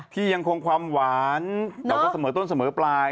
ที่ยังคงความหวานแต่ก็เสมอต้นเสมอปลาย